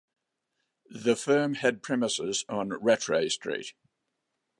The firm had premises on Rattray Street.